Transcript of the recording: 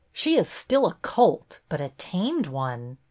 She is still a colt, but a tamed one."